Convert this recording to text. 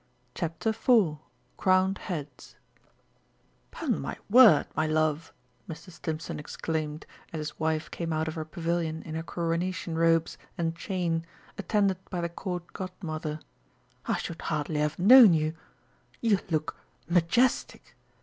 CHAPTER IV CROWNED HEADS "'Pon my word, my love," Mr. Stimpson exclaimed, as his wife came out of her pavilion in her Coronation Robes and chain, attended by the Court Godmother, "I should hardly have known you! You look majestic!